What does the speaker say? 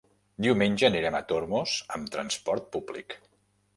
Diumenge anirem a Tormos amb transport públic.